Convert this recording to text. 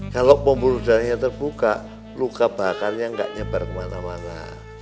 kalau pembuluh darahnya terbuka luka bakarnya nggak nyebar kemana mana